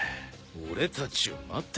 俺たちを待ってた？